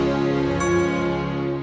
sampai jumpa lagi